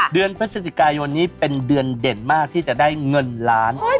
เดือนพฤศจิกายนนี้เป็นเดือนเด่นมากที่จะได้เงินล้าน